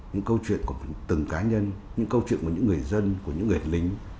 những câu chuyện của từng cá nhân những câu chuyện của những người dân của những người lính